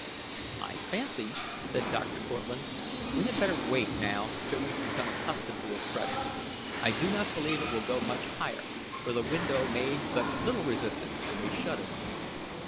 "I fancy," said Dr. Cortlandt, "we had better wait now till we become accustomed to this pressure. I do not believe it will go much higher, for the window made but little resistance when we shut it."